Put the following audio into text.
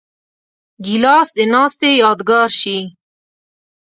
ګیلاس د ناستې یادګار شي.